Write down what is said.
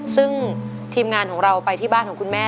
ซึ่งทีมงานของเราไปที่บ้านของคุณแม่